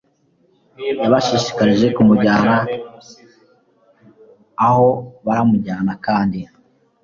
yabashishikarije kumujyana aho. baramujyana kandi